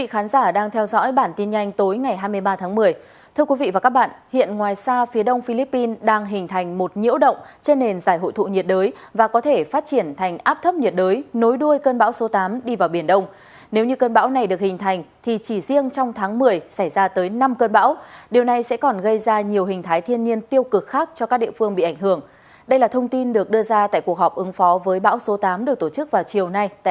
hãy đăng ký kênh để ủng hộ kênh của chúng mình nhé